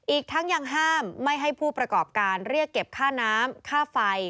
อีกทั้งยังห้ามไม่ให้ผู้ประกอบการเรียกเก็บค่าน้ำค่าไฟ